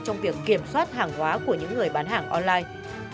trong việc kiểm soát hàng hóa của những người bán hàng online